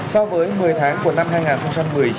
so với một mươi tháng của năm hai nghìn một mươi chín